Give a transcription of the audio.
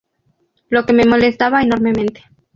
lo que me molestaba enormemente